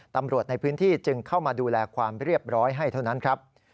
ตำรวจในพื้นที่จึงเข้ามาดูแลความเรียบร้อยให้เท่านั้นครับ